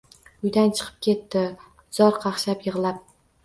Uydan chiqib ketdi zor qaqshab, yig‘lab.